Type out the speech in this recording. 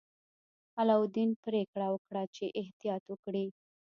علاوالدین پریکړه وکړه چې احتیاط وکړي.